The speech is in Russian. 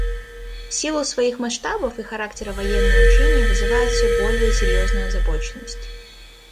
В силу своих масштабов и характера военные учения вызывают все более серьезную озабоченность.